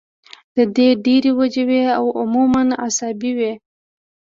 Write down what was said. د دې ډېرې وجې وي او عموماً اعصابي وي